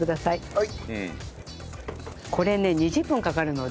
はい。